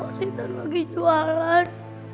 pak intan lagi jualan